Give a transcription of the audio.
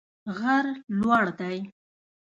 غر لوړ دی